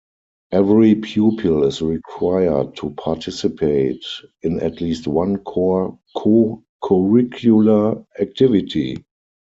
Every pupil is required to participate in at least one core co-curricular activity.